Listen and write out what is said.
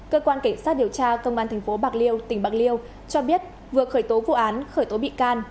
cơ quan cảnh sát điều tra công an tp bạc liêu tỉnh bạc liêu cho biết vừa khởi tố vụ án khởi tố bị can